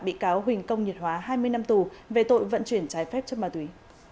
bị cáo huỳnh công nhiệt hóa hai mươi năm tù về tội vận chuyển trái phép chất ma túy